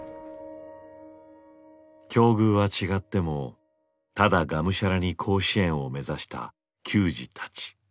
境遇は違ってもただがむしゃらに甲子園を目指した球児たち。